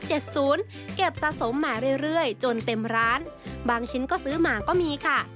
เก็บสะสมมาเรื่อยจนเต็มร้านบางชิ้นก็ซื้อมาก็มีค่ะ